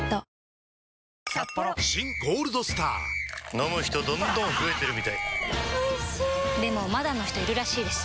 飲む人どんどん増えてるみたいおいしでもまだの人いるらしいですよ